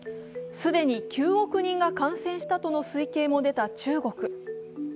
既に９億人が感染したとの推計も出た中国。